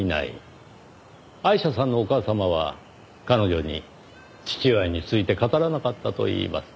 アイシャさんのお母様は彼女に父親について語らなかったといいます。